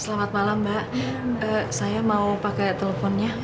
selamat malam mbak saya mau pakai teleponnya